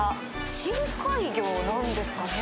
深海魚なんですかね。